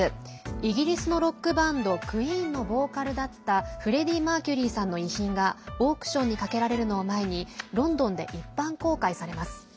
イギリスのロックバンドクイーンのボーカルだったフレディ・マーキュリーさんの遺品がオークションにかけられるのを前にロンドンで一般公開されます。